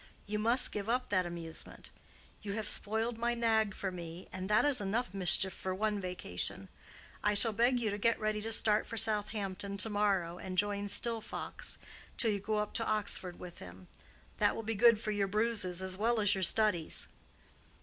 You must give up that amusement. You have spoiled my nag for me, and that is enough mischief for one vacation. I shall beg you to get ready to start for Southampton to morrow and join Stilfox, till you go up to Oxford with him. That will be good for your bruises as well as your studies."